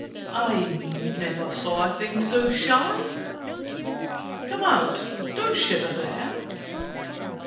I never saw a thing so shy. Come out! Don't shiver there!"